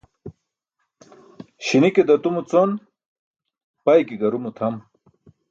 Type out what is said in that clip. Śi̇ni̇ ke datumo con, bay ke garumo tʰam.